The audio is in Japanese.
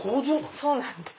そうなんです。